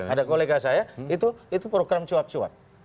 ada kolega saya itu program cuap cuap